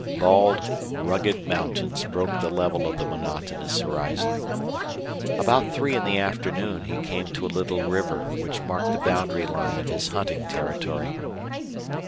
Bald, rugged mountains broke the level of the monotonous horizon. About three in the afternoon he came to a little river which marked the boundary line of his hunting territory.